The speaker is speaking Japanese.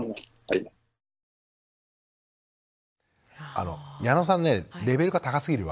あの矢野さんねレベルが高すぎるわ。